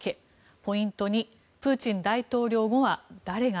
ポイント２プーチン大統領後は誰が。